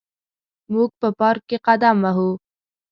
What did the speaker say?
موږ په پارک کې قدم وهو.